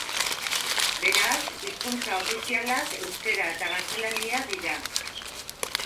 Beraz, hizkuntza ofizialak euskara eta gaztelania dira.